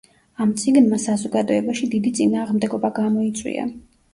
ამ წიგნმა საზოგადოებაში დიდი წინააღმდეგობა გამოიწვია.